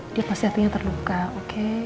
dia pasti artinya terluka oke